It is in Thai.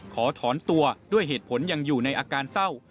ขอถอนตัวด้วยเหตุผลยังอยู่ในอาการเศร้า